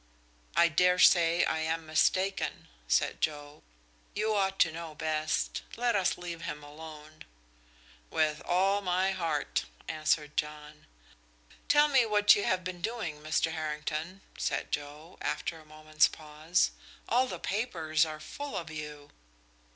"I dare say I am mistaken," said Joe. "You ought to know best. Let us leave him alone." "With all my heart," answered John. "Tell me what you have been doing, Mr. Harrington," said Joe, after a moment's pause; "all the papers are full of you."